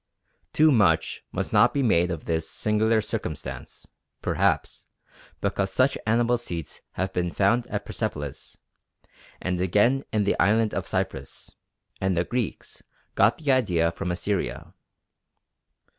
Too much must not be made of this singular circumstance, perhaps, because such animal seats have been found at Persepolis, and again in the island of Cyprus, and the Greeks got the idea from Assyria.